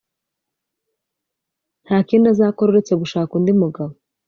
nta kindi azakora uretse gushaka undi mugabo